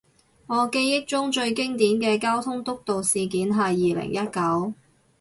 我記憶中最經典嘅交通督導事件係二零一九